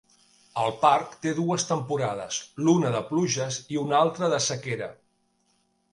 El parc té dues temporades, l'una de pluges i una altra de sequera.